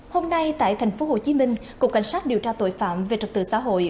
hôm nay tại thành phố hồ chí minh cục cảnh sát điều tra tội phạm về trật tự xã hội